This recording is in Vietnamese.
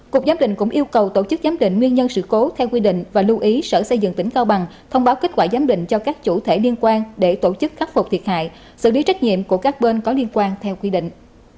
cục giám định cũng yêu cầu tổ chức giám định nguyên nhân sự cố theo quy định và lưu ý sở xây dựng tỉnh cao bằng thông báo kết quả giám định cho các chủ thể liên quan để tổ chức khắc phục thiệt hại xử lý trách nhiệm của các bên có liên quan theo quy định